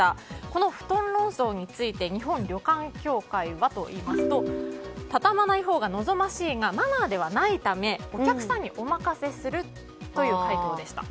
この布団論争について日本旅館協会はといいますと畳まないほうが望ましいがマナーではないためお客さんにお任せするという回答でした。